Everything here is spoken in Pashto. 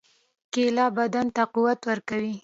کېله بدن ته قوت ورکوي.